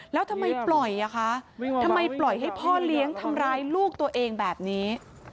แล้วทำไมปล่อยอ่ะคะทำไมปล่อยให้พ่อเลี้ยงทำร้ายลูกตัวเองแบบนี้